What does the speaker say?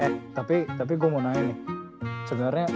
eh tapi gue mau nanya nih